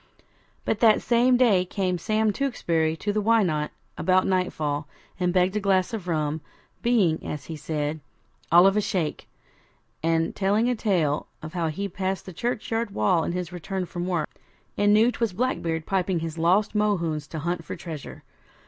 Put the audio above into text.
But that same day came Sam Tewkesbury to the Why Not? about nightfall, and begged a glass of rum, being, as he said, 'all of a shake', and telling a tale of how he passed the churchyard wall on his return from work, and in the dusk heard screams and wailing voices, and knew 'twas Blackbeard piping his lost Mohunes to hunt for treasure.